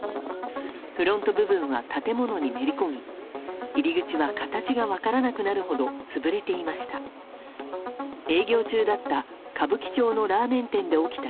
フロント部分は建物にめり込み入り口は形が分からなくなるほど潰れていました。